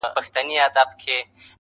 څوټپې نمکیني څو غزل خواږه خواږه لرم-